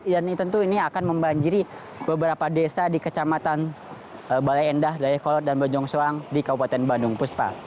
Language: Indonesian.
dan tentu ini akan membanjiri beberapa desa di kecamatan balai endah dayakolot dan banjong soang di kabupaten bandung puspa